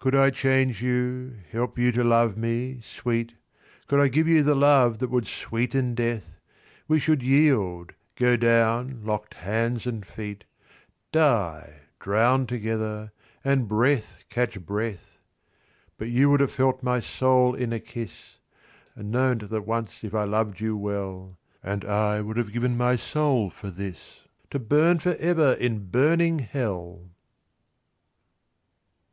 Could I change you, help you to love me, sweet, Could I give you the love that would sweeten death, We should yield, go down, locked hands and feet, Die, drown together, and breath catch breath; But you would have felt my soul in a kiss, And known that once if I loved you well; And I would have given my soul for this To burn for ever in burning hell.